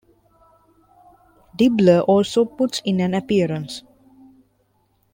Dibbler also puts in an appearance.